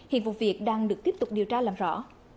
hiện vụ việc đang được tiếp tục điều tra làm rõ